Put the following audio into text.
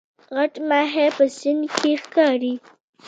غټ ماهی په سیند کې ښکاري